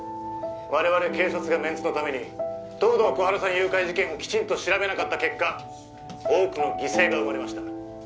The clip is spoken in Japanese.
我々警察がメンツのために東堂心春さん誘拐事件をきちんと調べなかった結果多くの犠牲が生まれました